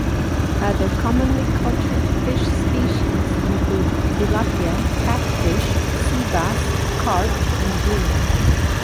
Other commonly cultured fish species include: tilapia, catfish, sea bass, carp and bream.